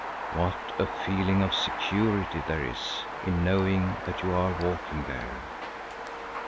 What a feeling of security there is in knowing that you are walking there!